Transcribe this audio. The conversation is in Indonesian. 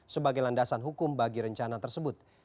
sebagai landasan hukum bagi rencana tersebut